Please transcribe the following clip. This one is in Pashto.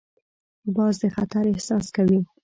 باز د خطر احساس کوي